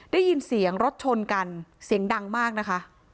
ได้ยินเสียงรถชนกันเสียงดังมากนะคะ